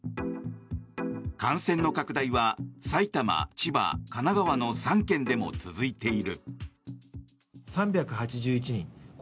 感染の拡大は埼玉、千葉、神奈川の３県でも続いている。